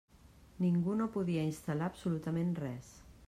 Ningú no podia instal·lar absolutament res.